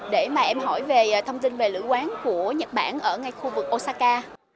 để mà em hỏi về thông tin về lữ quán của nhật bản ở ngay khu vực osaka